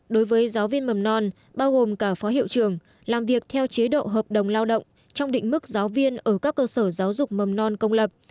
đối với giáo viên mầm non bao gồm cả phó hiệu trường làm việc theo chế độ hợp đồng lao động trong định mức giáo viên ở các cơ sở giáo dục mầm non công lập